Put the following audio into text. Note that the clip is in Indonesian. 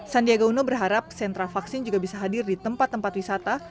sandiaga uno berharap sentra vaksin juga bisa hadir di tempat tempat wisata